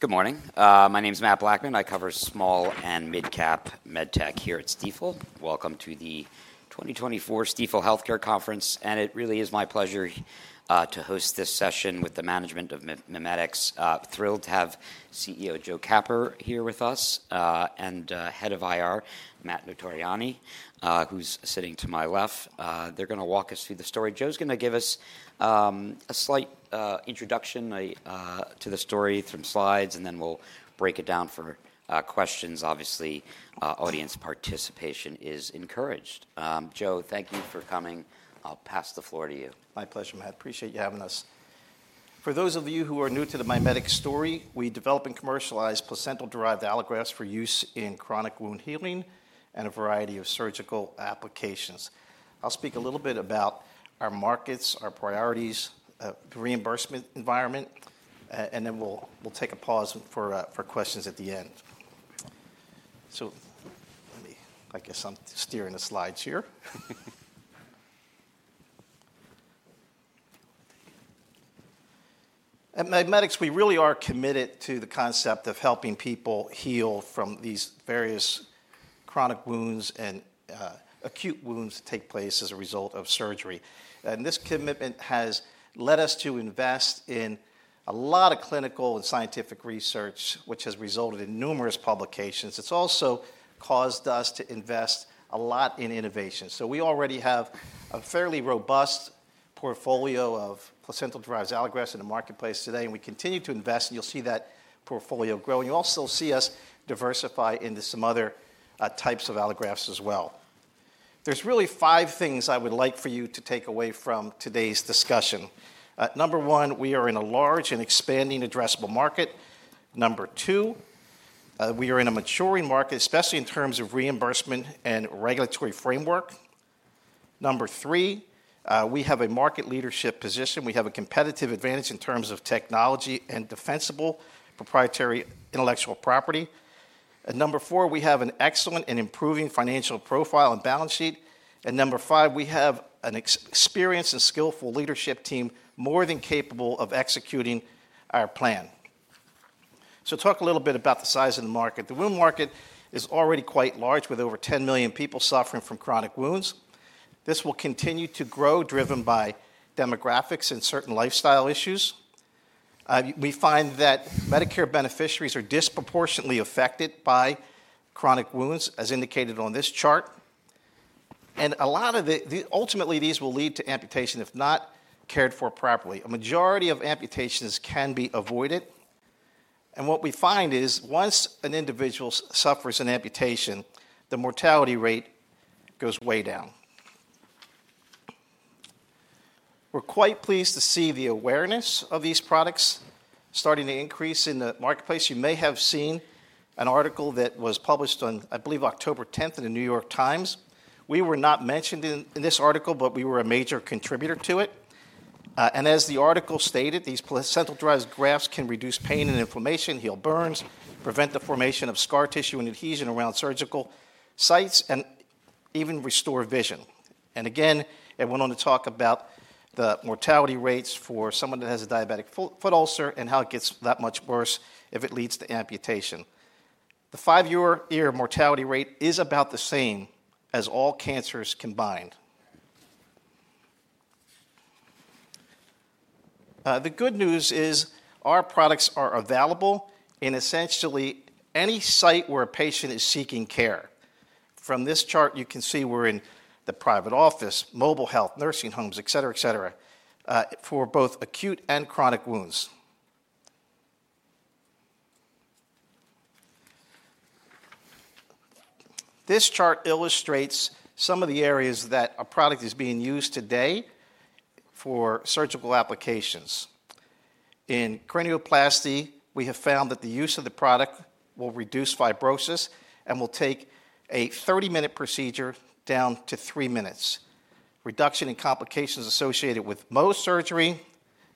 Good morning. My name is Matt Blackman. I cover small and mid-cap med tech here at Stifel. Welcome to the 2024 Stifel Healthcare Conference. It really is my pleasure to host this session with the management of MiMedx. Thrilled to have CEO Joe Capper here with us, and head of IR, Matt Notarianni, who's sitting to my left. They're going to walk us through the story. Joe's going to give us a slight introduction to the story through slides, and then we'll break it down for questions. Obviously, audience participation is encouraged. Joe, thank you for coming. I'll pass the floor to you. My pleasure, Matt. Appreciate you having us. For those of you who are new to the MiMedx story, we develop and commercialize placental-derived allografts for use in chronic wound healing and a variety of surgical applications. I'll speak a little bit about our markets, our priorities, the reimbursement environment, and then we'll take a pause for questions at the end, so let me, I guess I'm steering the slides here. At MiMedx, we really are committed to the concept of helping people heal from these various chronic wounds and acute wounds that take place as a result of surgery, and this commitment has led us to invest in a lot of clinical and scientific research, which has resulted in numerous publications. It's also caused us to invest a lot in innovation. We already have a fairly robust portfolio of placental-derived allografts in the marketplace today, and we continue to invest, and you'll see that portfolio growing. You'll also see us diversify into some other types of allografts as well. There's really five things I would like for you to take away from today's discussion. Number one, we are in a large and expanding addressable market. Number two, we are in a maturing market, especially in terms of reimbursement and regulatory framework. Number three, we have a market leadership position. We have a competitive advantage in terms of technology and defensible proprietary intellectual property. And number four, we have an excellent and improving financial profile and balance sheet. And number five, we have an experienced and skillful leadership team, more than capable of executing our plan. So talk a little bit about the size of the market. The wound market is already quite large, with over 10 million people suffering from chronic wounds. This will continue to grow, driven by demographics and certain lifestyle issues. We find that Medicare beneficiaries are disproportionately affected by chronic wounds, as indicated on this chart, and a lot of the, ultimately, these will lead to amputation if not cared for properly. A majority of amputations can be avoided, and what we find is, once an individual suffers an amputation, the mortality rate goes way down. We're quite pleased to see the awareness of these products starting to increase in the marketplace. You may have seen an article that was published on, I believe, October 10th in the New York Times. We were not mentioned in this article, but we were a major contributor to it. As the article stated, these placental-derived grafts can reduce pain and inflammation, heal burns, prevent the formation of scar tissue and adhesion around surgical sites, and even restore vision. Again, I went on to talk about the mortality rates for someone that has a diabetic foot ulcer and how it gets that much worse if it leads to amputation. The five-year mortality rate is about the same as all cancers combined. The good news is our products are available in essentially any site where a patient is seeking care. From this chart, you can see we're in the private office, mobile health, nursing homes, et cetera, et cetera, for both acute and chronic wounds. This chart illustrates some of the areas that a product is being used today for surgical applications. In cranioplasty, we have found that the use of the product will reduce fibrosis and will take a 30-minute procedure down to three minutes, reduction in complications associated with Mohs surgery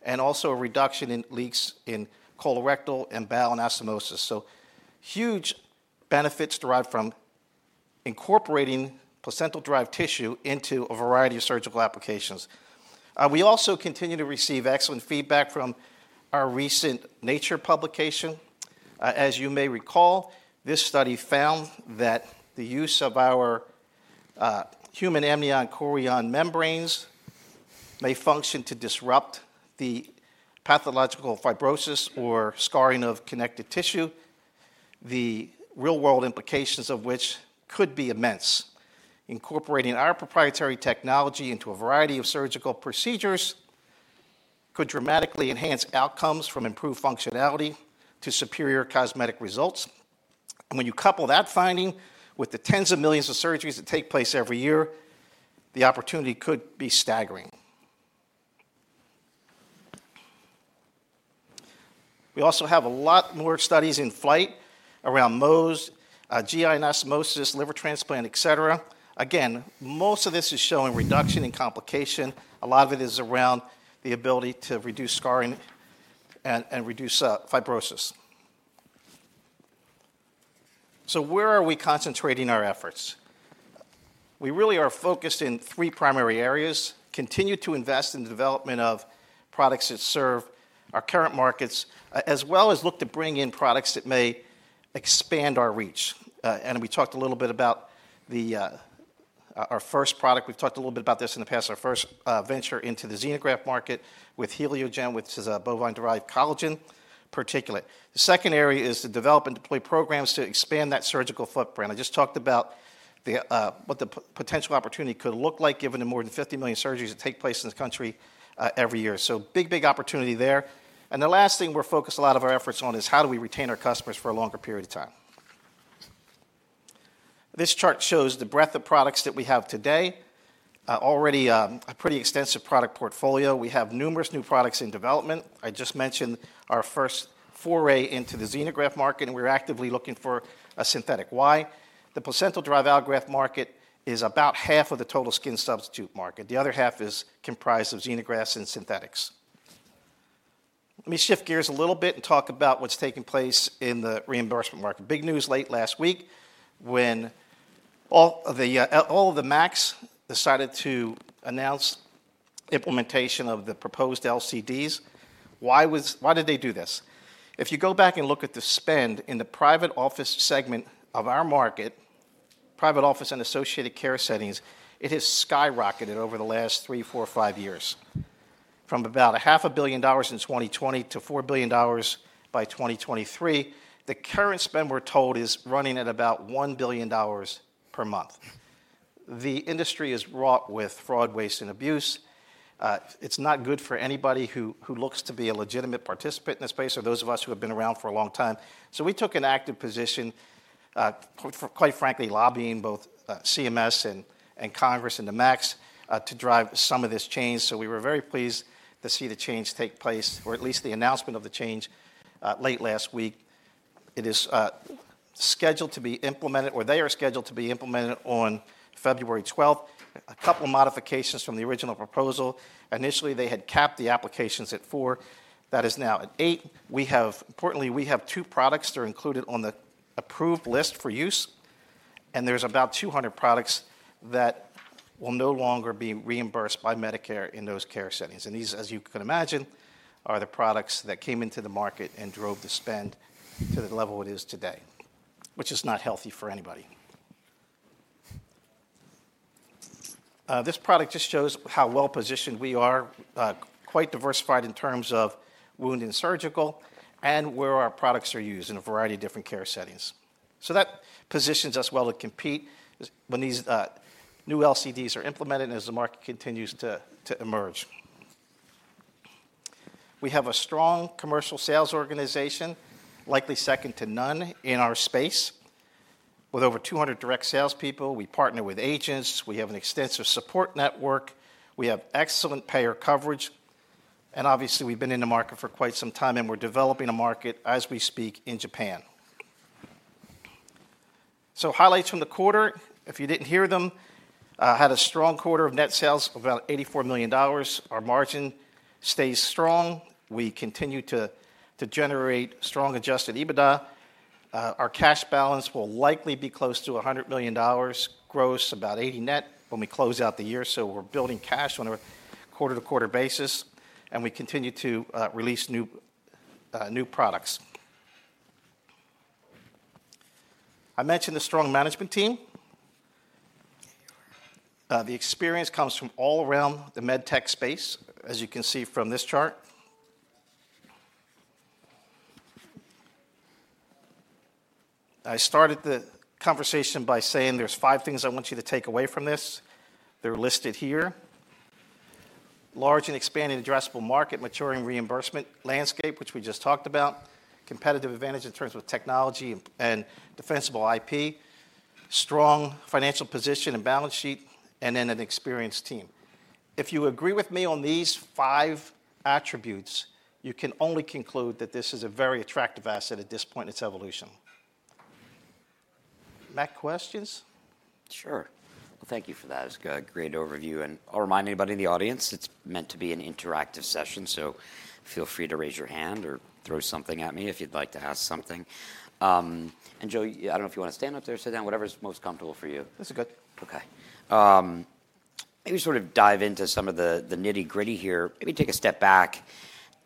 and also a reduction in leaks in colorectal and bowel anastomosis, so huge benefits derived from incorporating placental-derived tissue into a variety of surgical applications. We also continue to receive excellent feedback from our recent Nature publication. As you may recall, this study found that the use of our human amnion-chorion membranes may function to disrupt the pathological fibrosis or scarring of connective tissue, the real-world implications of which could be immense. Incorporating our proprietary technology into a variety of surgical procedures could dramatically enhance outcomes from improved functionality to superior cosmetic results, and when you couple that finding with the tens of millions of surgeries that take place every year, the opportunity could be staggering. We also have a lot more studies in flight around Mohs, GI anastomosis, liver transplant, et cetera. Again, most of this is showing reduction in complication. A lot of it is around the ability to reduce scarring and reduce fibrosis. So where are we concentrating our efforts? We really are focused in three primary areas, continue to invest in the development of products that serve our current markets, as well as look to bring in products that may expand our reach. And we talked a little bit about our first product. We've talked a little bit about this in the past, our first venture into the xenograft market with HELIOGEN, which is a bovine-derived collagen particulate. The second area is to develop and deploy programs to expand that surgical footprint. I just talked about what the potential opportunity could look like given the more than 50 million surgeries that take place in the country every year. So big, big opportunity there. And the last thing we're focused a lot of our efforts on is how do we retain our customers for a longer period of time. This chart shows the breadth of products that we have today, already a pretty extensive product portfolio. We have numerous new products in development. I just mentioned our first foray into the xenograft market, and we're actively looking for synthetics. The placental-derived allograft market is about half of the total skin substitute market. The other half is comprised of xenografts and synthetics. Let me shift gears a little bit and talk about what's taking place in the reimbursement market. Big news late last week when all of the MACs decided to announce implementation of the proposed LCDs. Why did they do this? If you go back and look at the spend in the private office segment of our market, private office and associated care settings, it has skyrocketed over the last three, four, five years. From about $500 million in 2020 to $4 billion by 2023, the current spend, we're told, is running at about $1 billion per month. The industry is wrought with fraud, waste, and abuse. It's not good for anybody who looks to be a legitimate participant in this space or those of us who have been around for a long time. So we took an active position, quite frankly, lobbying both CMS and Congress and the MACs to drive some of this change. We were very pleased to see the change take place, or at least the announcement of the change late last week. It is scheduled to be implemented, or they are scheduled to be implemented on February 12th. A couple of modifications from the original proposal. Initially, they had capped the applications at four. That is now at eight. Importantly, we have two products that are included on the approved list for use, and there's about 200 products that will no longer be reimbursed by Medicare in those care settings. And these, as you can imagine, are the products that came into the market and drove the spend to the level it is today, which is not healthy for anybody. This product just shows how well-positioned we are, quite diversified in terms of wound and surgical, and where our products are used in a variety of different care settings. So that positions us well to compete when these new LCDs are implemented and as the market continues to emerge. We have a strong commercial sales organization, likely second to none in our space, with over 200 direct salespeople. We partner with agents. We have an extensive support network. We have excellent payer coverage. And obviously, we've been in the market for quite some time, and we're developing a market as we speak in Japan. So highlights from the quarter, if you didn't hear them, had a strong quarter of net sales of about $84 million. Our margin stays strong. We continue to generate strong adjusted EBITDA. Our cash balance will likely be close to $100 million. Gross about 80 net when we close out the year. So we're building cash on a quarter-to-quarter basis, and we continue to release new products. I mentioned the strong management team. The experience comes from all around the med tech space, as you can see from this chart. I started the conversation by saying there's five things I want you to take away from this. They're listed here: large and expanding addressable market, maturing reimbursement landscape, which we just talked about, competitive advantage in terms of technology and defensible IP, strong financial position and balance sheet, and then an experienced team. If you agree with me on these five attributes, you can only conclude that this is a very attractive asset at this point in its evolution. Matt, questions? Sure. Thank you for that. It was a great overview. I'll remind anybody in the audience, it's meant to be an interactive session, so feel free to raise your hand or throw something at me if you'd like to ask something. Joe, I don't know if you want to stand up there or sit down, whatever's most comfortable for you. That's good. Okay. Maybe sort of dive into some of the nitty-gritty here. Maybe take a step back,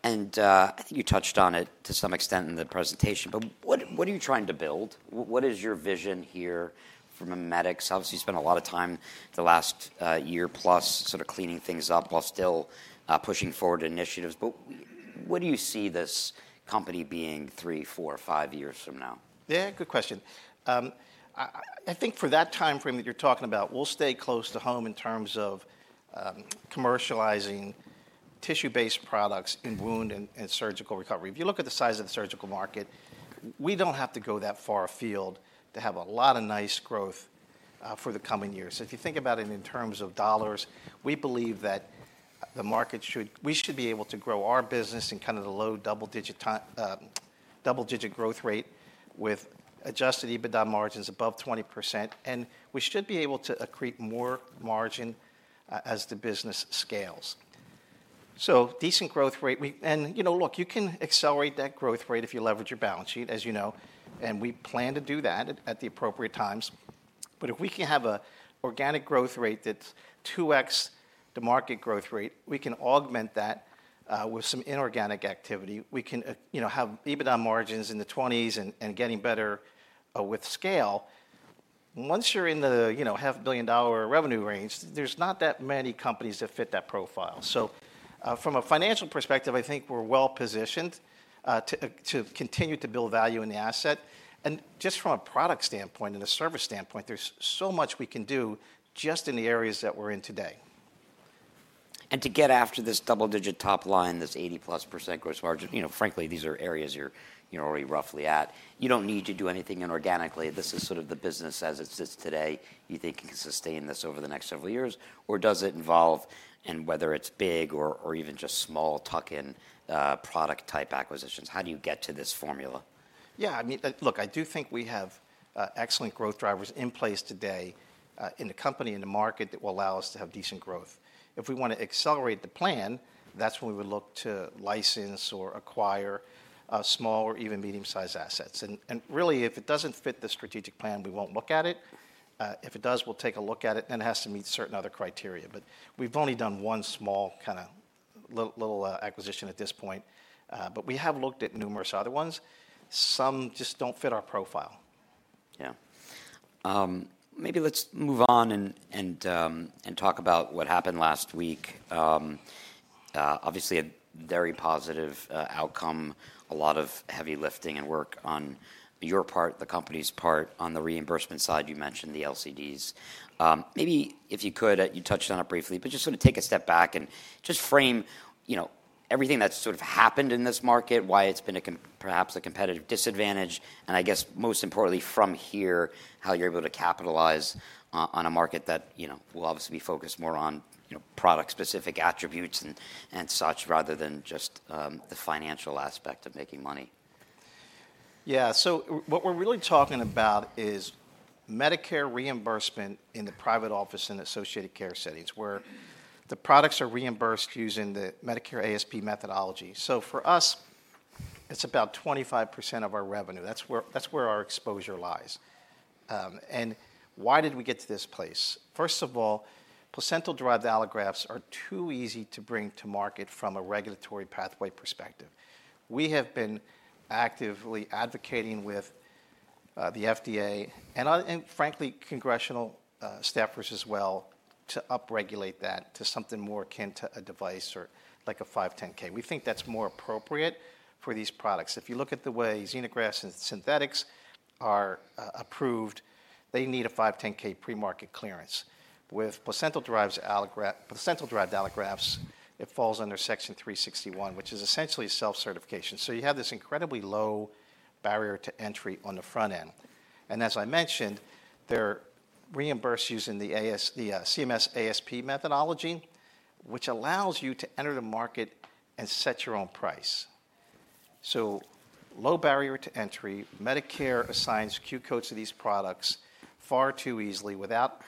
and I think you touched on it to some extent in the presentation, but what are you trying to build? What is your vision here for MiMedx? Obviously, you spent a lot of time the last year plus sort of cleaning things up while still pushing forward initiatives, but what do you see this company being three, four, five years from now? Yeah, good question. I think for that timeframe that you're talking about, we'll stay close to home in terms of commercializing tissue-based products in wound and surgical recovery. If you look at the size of the surgical market, we don't have to go that far afield to have a lot of nice growth for the coming years. If you think about it in terms of dollars, we believe that the market should, we should be able to grow our business in kind of the low double-digit growth rate with adjusted EBITDA margins above 20%, and we should be able to accrete more margin as the business scales, so decent growth rate, and look, you can accelerate that growth rate if you leverage your balance sheet, as you know, and we plan to do that at the appropriate times. If we can have an organic growth rate that's 2x the market growth rate, we can augment that with some inorganic activity. We can have EBITDA margins in the 20s and getting better with scale. Once you're in the $500 million revenue range, there's not that many companies that fit that profile. So from a financial perspective, I think we're well-positioned to continue to build value in the asset. And just from a product standpoint and a service standpoint, there's so much we can do just in the areas that we're in today. And to get after this double-digit top line, this 80-plus% gross margin, frankly, these are areas you're already roughly at. You don't need to do anything inorganically. This is sort of the business as it sits today. You think you can sustain this over the next several years? Or does it involve - and whether it's big or even just small tuck-in product-type acquisitions? How do you get to this formula? Yeah. I mean, look, I do think we have excellent growth drivers in place today in the company and the market that will allow us to have decent growth. If we want to accelerate the plan, that's when we would look to license or acquire small or even medium-sized assets, and really, if it doesn't fit the strategic plan, we won't look at it. If it does, we'll take a look at it, and it has to meet certain other criteria, but we've only done one small kind of little acquisition at this point, but we have looked at numerous other ones. Some just don't fit our profile. Yeah. Maybe let's move on and talk about what happened last week. Obviously, a very positive outcome, a lot of heavy lifting and work on your part, the company's part. On the reimbursement side, you mentioned the LCDs. Maybe if you could, you touched on it briefly, but just sort of take a step back and just frame everything that's sort of happened in this market, why it's been perhaps a competitive disadvantage. And I guess most importantly from here, how you're able to capitalize on a market that will obviously be focused more on product-specific attributes and such rather than just the financial aspect of making money. Yeah. So what we're really talking about is Medicare reimbursement in the private office and associated care settings where the products are reimbursed using the Medicare ASP methodology. So for us, it's about 25% of our revenue. That's where our exposure lies. And why did we get to this place? First of all, placental-derived allografts are too easy to bring to market from a regulatory pathway perspective. We have been actively advocating with the FDA and frankly, congressional staffers as well to upregulate that to something more akin to a device or like a 510(k). We think that's more appropriate for these products. If you look at the way xenografts and synthetics are approved, they need a 510(k) pre-market clearance. With placental-derived allografts, it falls under Section 361, which is essentially self-certification. So you have this incredibly low barrier to entry on the front end. As I mentioned, they're reimbursed using the CMS ASP methodology, which allows you to enter the market and set your own price. Low barrier to entry, Medicare assigns Q codes to these products far too easily without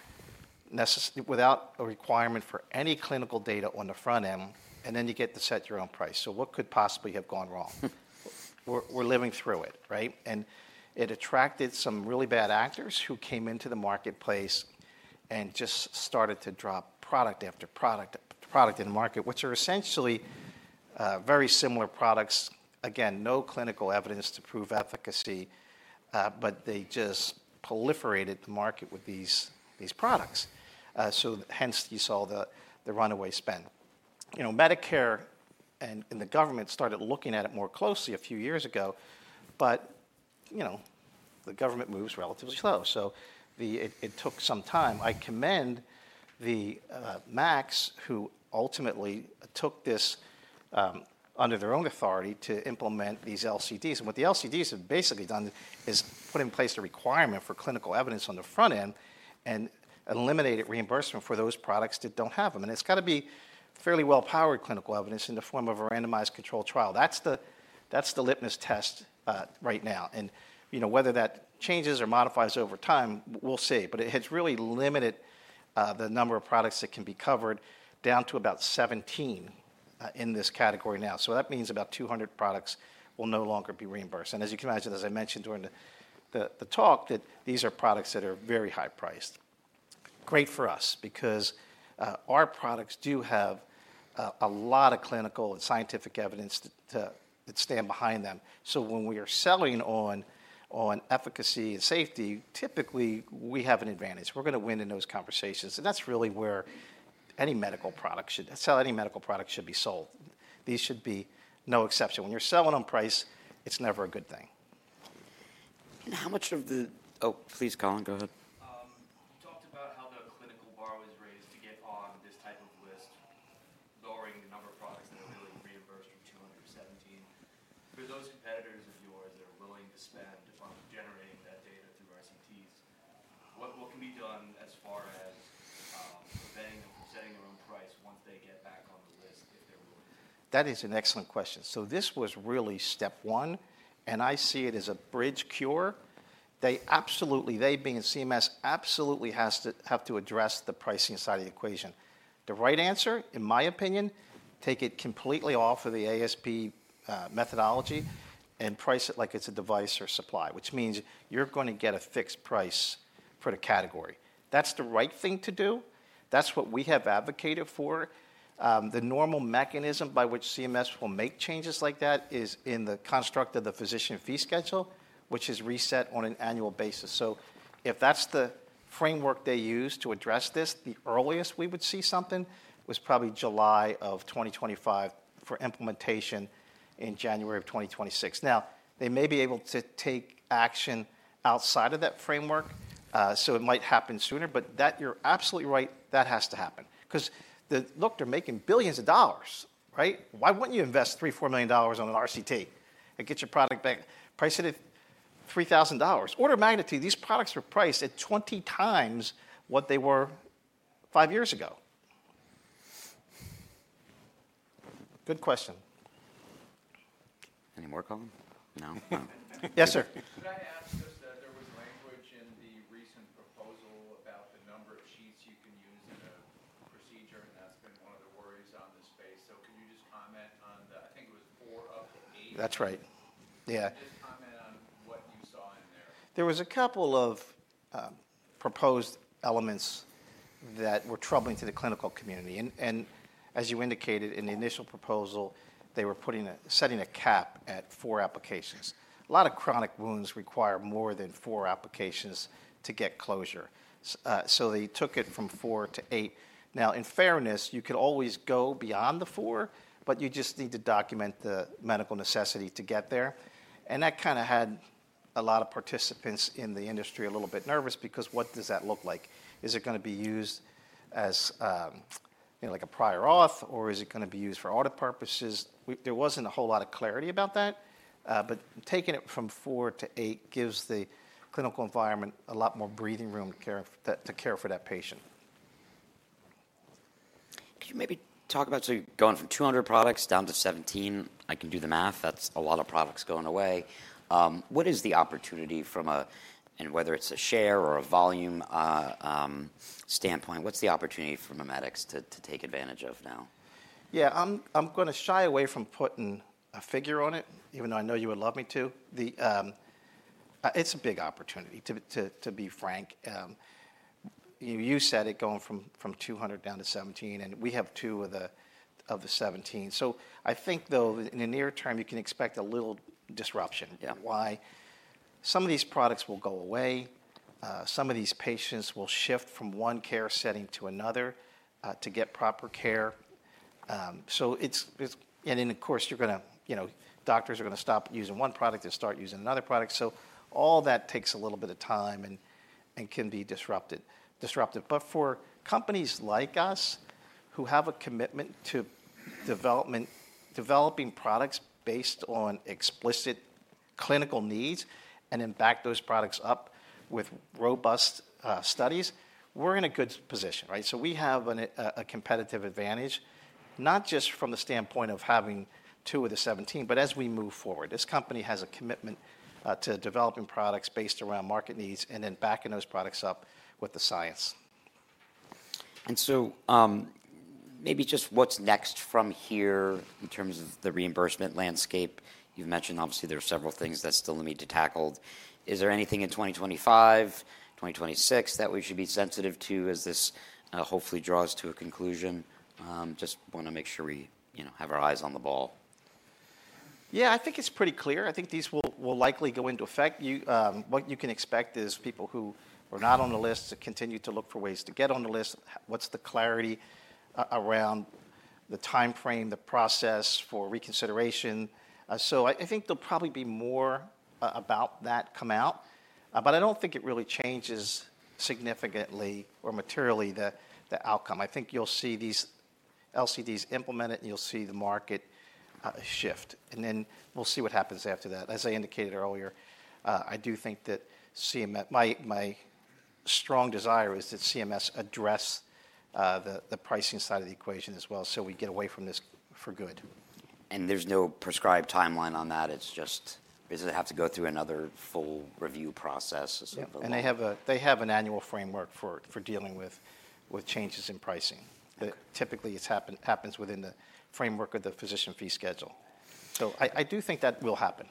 a requirement for any clinical data on the front end, and then you get to set your own price. What could possibly have gone wrong? We're living through it, right? It attracted some really bad actors who came into the marketplace and just started to drop product after product in the market, which are essentially very similar products. Again, no clinical evidence to prove efficacy, but they just proliferated the market with these products. Hence, you saw the runaway spending. Medicare and the government started looking at it more closely a few years ago, but the government moves relatively slow. It took some time. I commend the MACs, who ultimately took this under their own authority to implement these LCDs. And what the LCDs have basically done is put in place the requirement for clinical evidence on the front end and eliminated reimbursement for those products that don't have them. And it's got to be fairly well-powered clinical evidence in the form of a randomized controlled trial. That's the litmus test right now. And whether that changes or modifies over time, we'll see. But it has really limited the number of products that can be covered down to about 17 in this category now. So that means about 200 products will no longer be reimbursed. And as you can imagine, as I mentioned during the talk, that these are products that are very high-priced. Great for us because our products do have a lot of clinical and scientific evidence that stand behind them. So when we are selling on efficacy and safety, typically we have an advantage. We're going to win in those conversations. And that's really where any medical product should be sold. These should be no exception. When you're selling on price, it's never a good thing. And how much of the. Oh, please, Colin, go ahead. You talked about how the clinical bar was raised to get on this type of list, lowering the number of products that are really reimbursed from 217. For those competitors of yours that are willing to spend on generating that data through RCTs, what can be done as far as preventing them from setting their own price once they get back on the list if they're willing to? That is an excellent question. So this was really step one, and I see it as a bridge cure. They absolutely—they being CMS absolutely have to address the pricing side of the equation. The right answer, in my opinion, take it completely off of the ASP methodology and price it like it's a device or supply, which means you're going to get a fixed price for the category. That's the right thing to do. That's what we have advocated for. The normal mechanism by which CMS will make changes like that is in the construct of the Physician Fee Schedule, which is reset on an annual basis. So if that's the framework they use to address this, the earliest we would see something was probably July of 2025 for implementation in January of 2026. Now, they may be able to take action outside of that framework, so it might happen sooner. But you're absolutely right, that has to happen. Because look, they're making billions of dollars, right? Why wouldn't you invest $3 to $4 million on an RCT and get your product back? Price it at $3,000. Order of magnitude, these products were priced at 20 times what they were five years ago. Good question. Any more, Colin? No? Yes, sir. Could I ask just that there was language in the recent proposal about the number of sheets you can use in a procedure, and that's been one of the worries on this space. So can you just comment on the, I think it was four up to eight? That's right. Yeah. Just comment on what you saw in there. There was a couple of proposed elements that were troubling to the clinical community. And as you indicated in the initial proposal, they were setting a cap at four applications. A lot of chronic wounds require more than four applications to get closure. So they took it from four to eight. Now, in fairness, you could always go beyond the four, but you just need to document the medical necessity to get there. And that kind of had a lot of participants in the industry a little bit nervous because what does that look like? Is it going to be used as like a prior auth, or is it going to be used for audit purposes? There wasn't a whole lot of clarity about that. But taking it from four to eight gives the clinical environment a lot more breathing room to care for that patient. Could you maybe talk about so going from 200 products down to 17. I can do the math. That's a lot of products going away. What is the opportunity from a and whether it's a share or a volume standpoint. What's the opportunity for MiMedx to take advantage of now? Yeah. I'm going to shy away from putting a figure on it, even though I know you would love me to. It's a big opportunity, to be frank. You said it going from 200 down to 17, and we have two of the 17. So I think, though, in the near term, you can expect a little disruption. Why? Some of these products will go away. Some of these patients will shift from one care setting to another to get proper care. And then, of course, you're going to. Doctors are going to stop using one product and start using another product. So all that takes a little bit of time and can be disruptive. But for companies like us who have a commitment to developing products based on explicit clinical needs and then back those products up with robust studies, we're in a good position, right? So we have a competitive advantage, not just from the standpoint of having two of the 17, but as we move forward. This company has a commitment to developing products based around market needs and then backing those products up with the science. And so maybe just what's next from here in terms of the reimbursement landscape? You've mentioned, obviously, there are several things that still need to be tackled. Is there anything in 2025, 2026 that we should be sensitive to as this hopefully draws to a conclusion? Just want to make sure we have our eyes on the ball. Yeah, I think it's pretty clear. I think these will likely go into effect. What you can expect is people who were not on the list to continue to look for ways to get on the list. What's the clarity around the timeframe, the process for reconsideration, so I think there'll probably be more about that come out, but I don't think it really changes significantly or materially the outcome. I think you'll see these LCDs implemented, and you'll see the market shift, and then we'll see what happens after that. As I indicated earlier, I do think that my strong desire is that CMS address the pricing side of the equation as well so we get away from this for good. And there's no prescribed timeline on that. It's just, does it have to go through another full review process? Yeah. And they have an annual framework for dealing with changes in pricing. Typically, it happens within the framework of the Physician Fee Schedule. So I do think that will happen.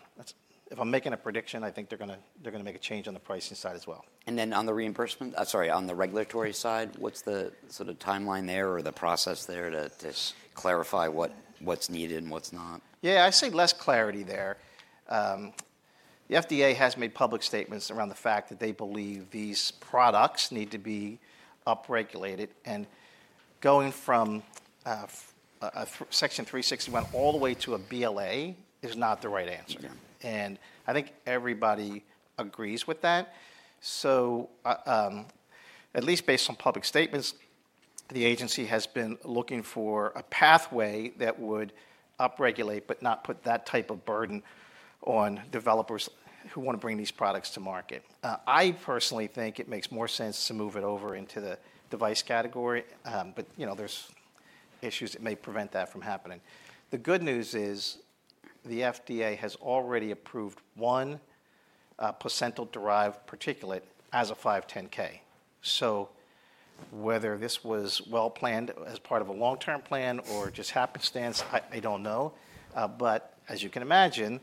If I'm making a prediction, I think they're going to make a change on the pricing side as well. And then on the reimbursement, sorry, on the regulatory side, what's the sort of timeline there or the process there to clarify what's needed and what's not? Yeah, I see less clarity there. The FDA has made public statements around the fact that they believe these products need to be upregulated. And going from Section 361 all the way to a BLA is not the right answer. And I think everybody agrees with that. So at least based on public statements, the agency has been looking for a pathway that would upregulate but not put that type of burden on developers who want to bring these products to market. I personally think it makes more sense to move it over into the device category, but there's issues that may prevent that from happening. The good news is the FDA has already approved one placental-derived particulate as a 510(k). So whether this was well-planned as part of a long-term plan or just happenstance, I don't know. But as you can imagine,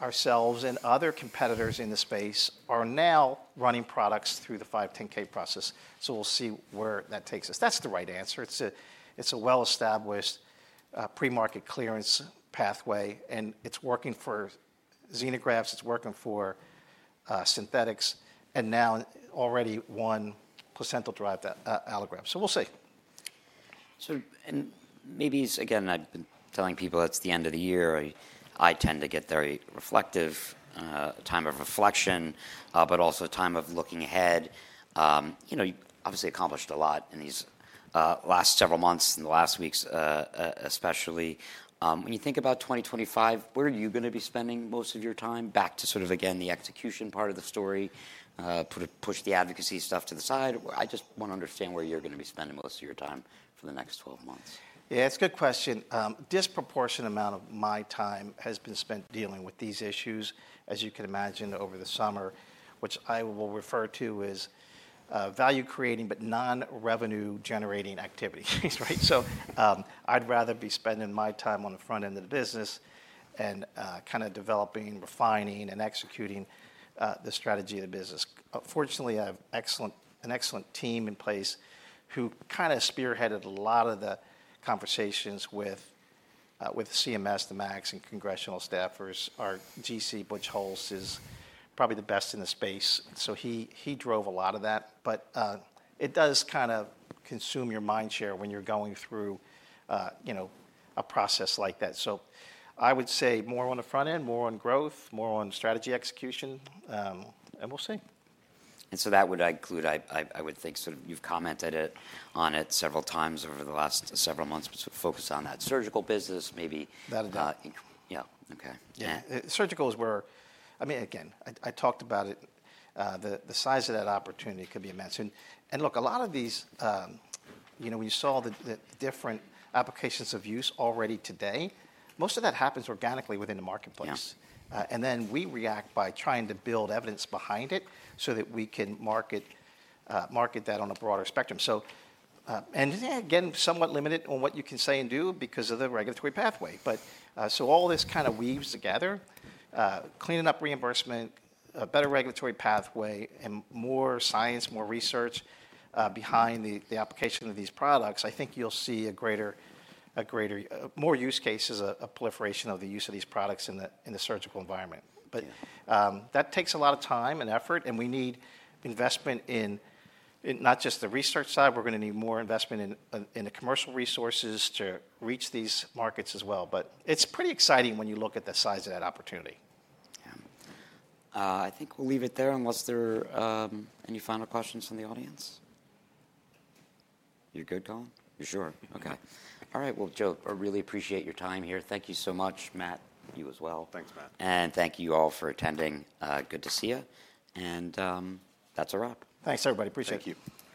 ourselves and other competitors in the space are now running products through the 510(k) process. So we'll see where that takes us. That's the right answer. It's a well-established pre-market clearance pathway, and it's working for xenografts. It's working for synthetics, and now already one placental-derived allograft. So we'll see. And maybe, again, I've been telling people it's the end of the year. I tend to get very reflective, a time of reflection, but also a time of looking ahead. You obviously accomplished a lot in these last several months and the last weeks, especially. When you think about 2025, where are you going to be spending most of your time? Back to sort of, again, the execution part of the story, push the advocacy stuff to the side. I just want to understand where you're going to be spending most of your time for the next 12 months. Yeah, it's a good question. A disproportionate amount of my time has been spent dealing with these issues, as you can imagine, over the summer, which I will refer to as value-creating but non-revenue-generating activities, right? So I'd rather be spending my time on the front end of the business and kind of developing, refining, and executing the strategy of the business. Fortunately, I have an excellent team in place who kind of spearheaded a lot of the conversations with CMS, the MACs, and congressional staffers. Our GC, Butch Hulse, is probably the best in the space. So he drove a lot of that. But it does kind of consume your mind share when you're going through a process like that. So I would say more on the front end, more on growth, more on strategy execution, and we'll see. And so that would include, I would think, sort of you've commented on it several times over the last several months, but focus on that surgical business, maybe. That'll do. Yeah. Okay. Yeah. Surgical is where, I mean, again, I talked about it. The size of that opportunity could be immense. Look, a lot of these, when you saw the different applications of use already today, most of that happens organically within the marketplace, and then we react by trying to build evidence behind it so that we can market that on a broader spectrum, and again, somewhat limited on what you can say and do because of the regulatory pathway, but so all this kind of weaves together, cleaning up reimbursement, a better regulatory pathway, and more science, more research behind the application of these products. I think you'll see a greater, more use cases, a proliferation of the use of these products in the surgical environment, but that takes a lot of time and effort, and we need investment in not just the research side. We're going to need more investment in the commercial resources to reach these markets as well, but it's pretty exciting when you look at the size of that opportunity. Yeah. I think we'll leave it there unless there are any final questions from the audience. You're good, Colin? You sure? Okay. All right. Well, Joe, I really appreciate your time here. Thank you so much, Matt. You as well. Thanks, Matt. And thank you all for attending. Good to see you. And that's a wrap. Thanks, everybody. Appreciate it. Thank you.